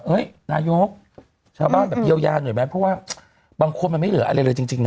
นายกชาวบ้านแบบเยียวยาหน่อยไหมเพราะว่าบางคนมันไม่เหลืออะไรเลยจริงนะ